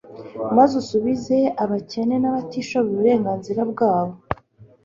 maze usubize abakene n’abatishoboye uburenganzira bwabo